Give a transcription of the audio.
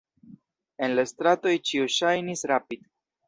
En la stratoj ĉiu ŝajnis rapid.